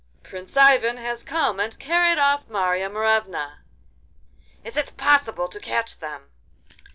'Prince Ivan has come and carried off Marya Morevna.' 'Is it possible to catch them?